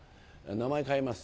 名前変えます